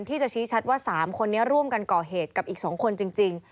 ที่จะชี้ชัดว่า๓คนนี้ร่วมกันก่อเหตุกับอีก๒คนจริง